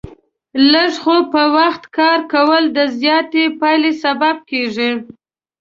لږ خو په وخت کار کول، د زیاتې پایلې سبب کېږي.